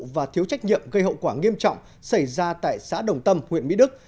và thiếu trách nhiệm gây hậu quả nghiêm trọng xảy ra tại xã đồng tâm huyện mỹ đức